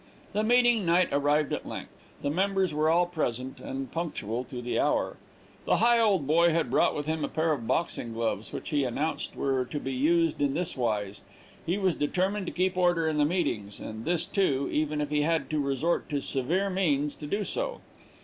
The meeting night arrived at length, the members were all present, and punctual to the hour. The Higholdboy had brought with him a pair of boxing gloves, which he announced were to be used in this wise: He was determined to keep order in the meetings, and this, too, even if he had to resort to severe means to do so.